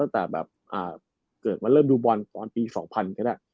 แต่แบบอ่าเกิดมาเริ่มดูบอลตอนปี๒๐๐๐ก็ได้